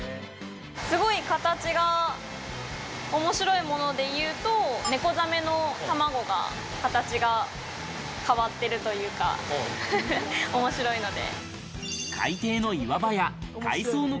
すごい形が面白いものでいうと、ネコザメの卵が、形が変わってるというか、面白いので。